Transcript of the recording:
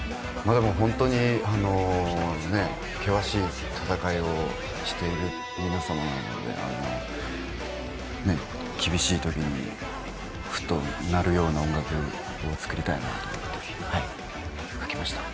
本当に険しい戦いをしている皆様なので厳しい時に、ふっとなるような音楽を作りたいなと。